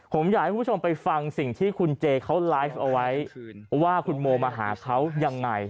ผมอยากให้คุณผู้ชมไปฟังสิ่งที่คุณเจเขาไลฟ์เอาไว้ว่าคุณโมมาหาเขายังไง